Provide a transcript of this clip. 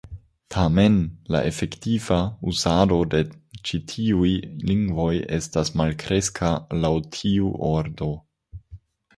Tamen, la efektiva uzado de ĉi tiuj lingvoj estas malkreska laŭ tiu ordo.